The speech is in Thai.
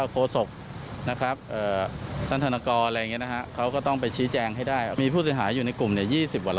ก็คิดรายกระทงเลียงนะครับ